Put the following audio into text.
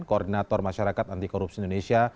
koordinator masyarakat antikorupsi indonesia